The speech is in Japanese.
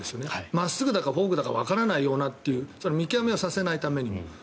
真っすぐだかフォークだかわからないようなという見極めをさせないためにも。